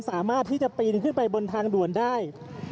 สามารถที่จะปีนขึ้นไปบนทางด่วนได้